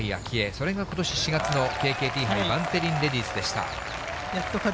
それがことし４月の杯バンテリンレディスでした。